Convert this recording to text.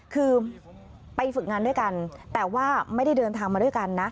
คือไปฝึกงานด้วยกันแต่ว่าไม่ได้เดินทางมาด้วยกันนะ